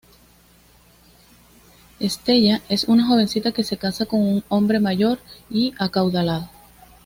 Stella es una jovencita que se casa con un hombre mayor y acaudalado.